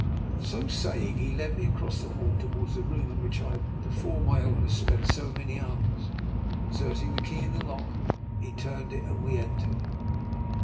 So saying, he led me across the hall to wards the room in which I had, before my ill ness, spent so many hours. Inserting the key in the lock, he turned it and we entered.